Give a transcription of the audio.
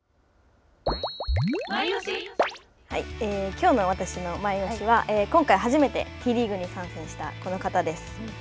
きょうの私のマイオシは今回初めてＴリーグに参戦したこの方です。